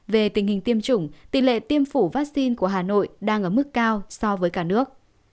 về tình hình tiêm chủng tỷ lệ tiêm chủng vaccine của hà nội đang ở mức cao so với cả nước